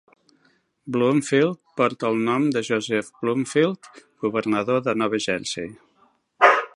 Bloomfield portal el nom de Joseph Bloomfield, governador de Nova Jersey.